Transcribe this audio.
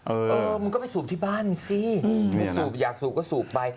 เออมีนก็ไปสูบที่บ้านก็สุกยากสุกก็สุกไป